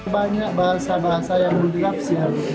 banyak bahasa bahasa yang mudik tafsir